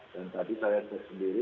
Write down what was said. dan tadi saya sendiri